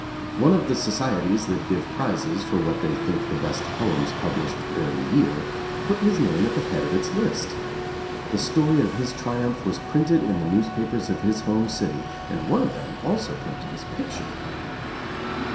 One of the societies that give prizes for what they think the best poems published during the year put his name at the head of its list. The story of his triumph was printed in the newspapers of bit borne city and one of them also printed his pic ture.